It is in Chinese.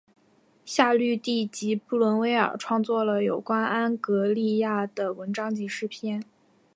夏绿蒂与布伦威尔创作了有关安格利亚的文章及诗篇。